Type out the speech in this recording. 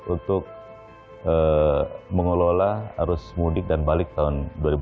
untuk mengelola arus mudik dan balik tahun dua ribu dua puluh